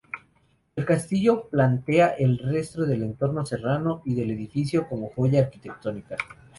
El Castillo plantea el respeto del entorno serrano y del edificio como joya arquitectónica.